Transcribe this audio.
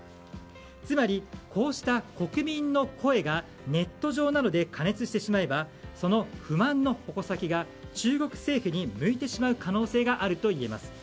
つまり、こうした国民の声がネット上などで過熱してしまえばその不満の矛先が中国政府に向いてしまう可能性があるといえます。